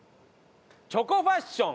チョコファッション